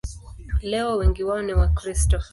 Leo wengi wao ni Wakristo.